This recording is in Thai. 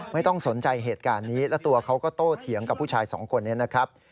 ไม่ต้องสนใจเหตุการณ์นี้แล้วตัวเขาก็โตเถียงกับผู้ชายสองคนนี้นะครับ